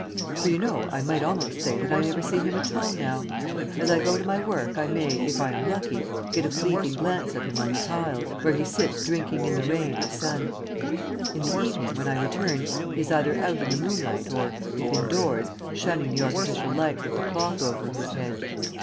For, you know, I might almost say that I never see him at all now. As I go to my work I may, if I am lucky, get a fleeting glance of him on the tiles, where he sits drinking in the rain or sun. In the evening, when I return, he is either out in the moonlight or, if indoors, shunning the artificial light with the cloth over his head.